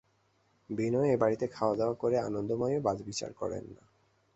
বিনয় এ বাড়িতে খাওয়া-দাওয়া করে– আনন্দময়ীও বাছ-বিচার করেন না।